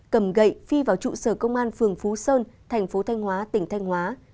cầm gậy phi vào trụ sở công an phường phú sơn thành phố thanh hóa tỉnh thanh hóa